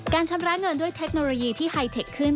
ชำระเงินด้วยเทคโนโลยีที่ไฮเทคขึ้น